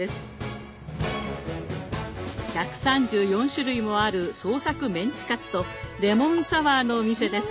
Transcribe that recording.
１３４種類もある創作メンチカツとレモンサワーのお店です。